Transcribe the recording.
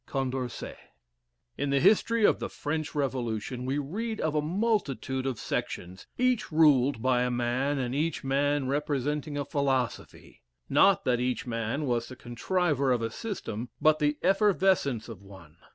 CONDORCET. In the history of the French Revolution, we read of a multitude of sections, each ruled by a man, and each man representing a philosophy. Not that each man was the contriver of a system, but the effervescence of one.